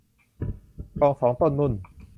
คลองสองต้นนุ่น